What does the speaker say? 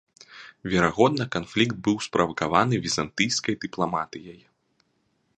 Верагодна, канфлікт быў справакаваны візантыйскай дыпламатыяй.